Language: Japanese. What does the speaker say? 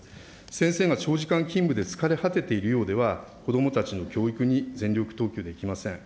先生が長時間勤務で疲れ果てているようでは、子どもたちの教育に全力投球できません。